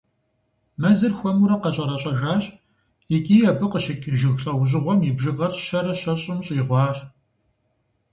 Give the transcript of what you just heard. Мэзыр хуэмурэ къэщӏэрэщӏэжащ, икӀи абы къыщыкӀ жыг лӀэужьыгъуэм и бжыгъэр щэрэ щэщӀым щӏигъуащ.